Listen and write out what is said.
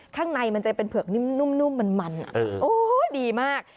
ข้างในมันจะเป็นเผือกนิ่มนุ่มมันโอ้ยดีมาก